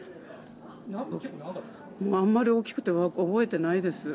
あまり大きくて覚えてないです。